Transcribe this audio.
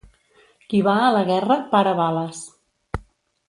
Qui va a la guerra, para bales.